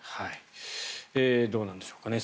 どうなんでしょうかね。